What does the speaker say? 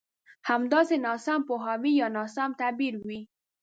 همداسې ناسم پوهاوی يا ناسم تعبير وي.